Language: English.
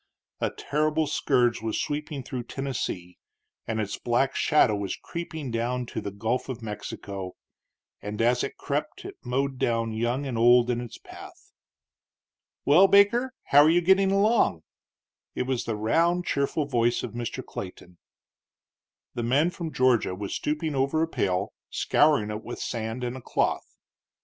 A terrible scourge was sweeping through Tennessee, and its black shadow was creeping down to the Gulf of Mexico; and as it crept it mowed down young and old in its path. "Well, Baker, how are you getting along?" It was the round, cheerful voice of Mr. Clayton. The man from Georgia was stooping over a pail, scouring it with sand and a cloth.